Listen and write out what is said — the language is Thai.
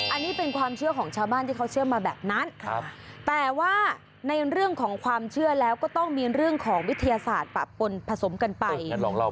อันนี้เป็นความเชื่อของชาวบ้านที่เขาเชื่อมาแบบนั้นแต่ว่าในเรื่องของความเชื่อแล้วก็ต้องมีเรื่องของวิทยาศาสตร์ปะปนผสมกันไป